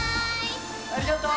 ありがとう！